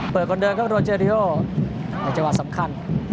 เปิดก่อนเดินครับโรเจอริโอในจังหวัดสำคัญ